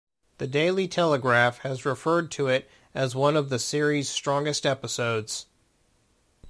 "The Daily Telegraph" has referred to it as one of the series' strongest episodes.